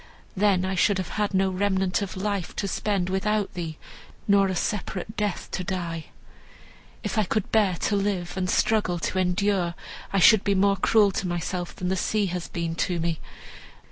Then I should have had no remnant of life to spend without thee, nor a separate death to die. If I could bear to live and struggle to endure, I should be more cruel to myself than the sea has been to me.